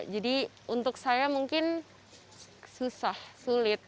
jadi untuk saya mungkin susah sulit